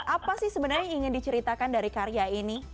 apa sih sebenarnya yang ingin diceritakan dari karya ini